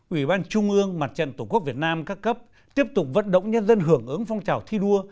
ủy ban trung ương mặt trận tổ quốc việt nam các cấp tiếp tục vận động nhân dân hưởng ứng phong trào thi đua